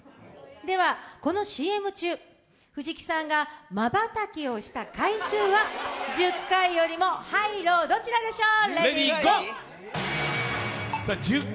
ではこのＣＭ中、藤木さんがまばたきをした回数は１０回よりもハイ・ロー、どちらでしょう？